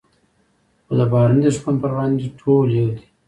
خو د بهرني دښمن پر وړاندې ټول یو دي.